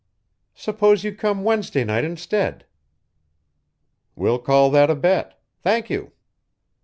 "Suppose you come Wednesday night instead." "We'll call that a bet. Thank you."